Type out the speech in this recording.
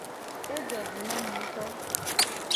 Ejo ji na mu nguto.